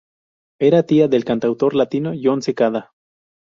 Era tía del cantautor latino Jon Secada.